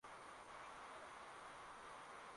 mengi chini ya Sultani wa Konstantinopoli Hilo dola